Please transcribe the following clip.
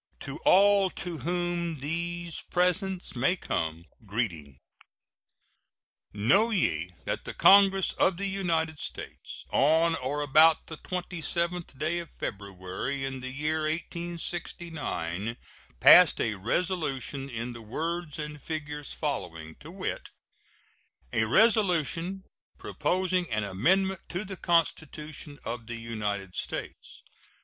To all to whom these presents may come, greeting: Know ye that the Congress of the United States, on or about the 27th day of February, in the year 1869, passed a resolution in the words and figures following, to wit: A RESOLUTION proposing an amendment to the Constitution of the United States.